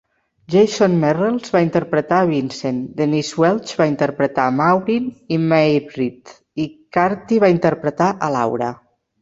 Jason Merrells va interpretar a Vincent, Denise Welch va interpretar a Maureen i Mairead Carty va interpretar a Laura.